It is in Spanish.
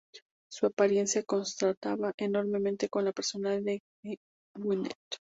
Su apariencia contrastaba enormemente con la personalidad de Gwyneth.